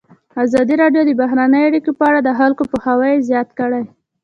ازادي راډیو د بهرنۍ اړیکې په اړه د خلکو پوهاوی زیات کړی.